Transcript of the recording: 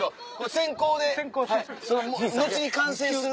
先行で後に完成する。